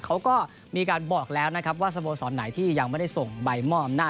เขาก็มีการบอกแล้วนะครับว่าสโมสรไหนที่ยังไม่ได้ส่งใบมอบอำนาจ